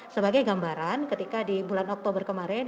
sebagai gambaran ketika di bulan oktober kemarin